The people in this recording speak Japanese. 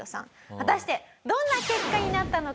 果たしてどんな結果になったのか？